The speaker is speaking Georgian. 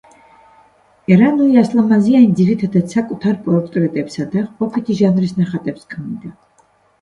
ერანუი ასლამაზიანი ძირითადად საკუთარ პორტრეტებსა და ყოფითი ჟანრის ნახატებს ქმნიდა.